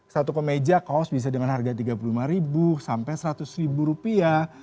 satu kemeja kaos bisa dengan harga tiga puluh lima ribu sampai seratus ribu rupiah